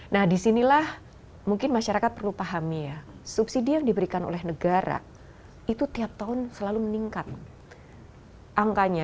nah disinilah mungkin masyarakat perlu pahami ya subsidi yang diberikan oleh negara itu tiap tahun selalu meningkat angkanya